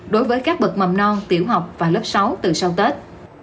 ngon tiểu học và lớp sáu từ sau tết